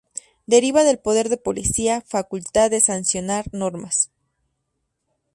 Deriva del poder de Policía, facultad de sancionar normas.